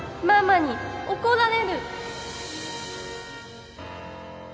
ママに怒られる。